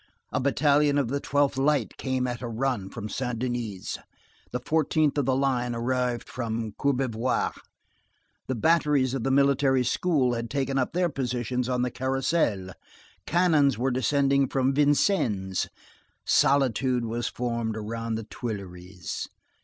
A battalion of the 12th Light came at a run from Saint Denis, the 14th of the Line arrived from Courbevoie, the batteries of the Military School had taken up their position on the Carrousel; cannons were descending from Vincennes. Solitude was formed around the Tuileries.